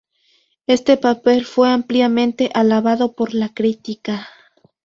Este papel fue ampliamente alabado por la crítica.